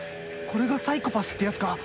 これがサイコパスってヤツか